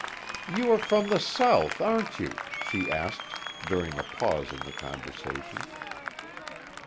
"You are from the South, aren't you?" she asked, during a pause in the conversation.